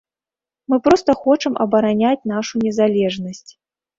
Мы проста хочам абараняць нашу незалежнасць.